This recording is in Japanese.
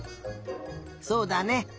そうだね。